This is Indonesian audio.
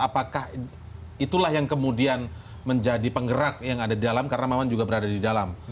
apakah itulah yang kemudian menjadi penggerak yang ada di dalam karena memang juga berada di dalam